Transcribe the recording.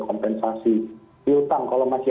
kompensasi tiltang kalau masih